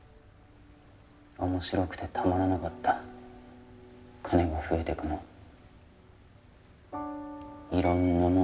面白くてたまらなかった金が増えてくの色んなもん